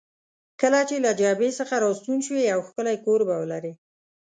کله چې له جبهې څخه راستون شوې، یو ښکلی کور به ولرې.